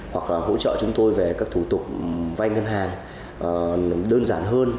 hoặc là hỗ trợ chúng tôi về các thủ tục vay ngân hàng đơn giản hơn